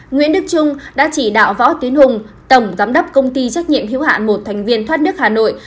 nguyễn đức trung đã chỉ đạo võ tiến hùng tổng giám đốc công ty trách nhiệm hiếu hạn một thành viên thoát nước hà nội